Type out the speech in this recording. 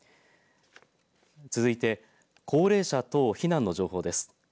続いて高齢者等避難の情報です。